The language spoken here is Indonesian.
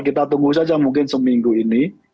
kita tunggu saja mungkin seminggu ini